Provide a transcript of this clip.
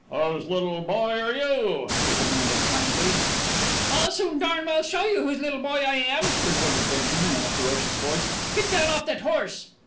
"Whose little boy are you?" he demanded kindly. "I'll soon darn well show you whose little boy I am!" retorted Benjamin in a ferocious voice. "Get down off that horse!"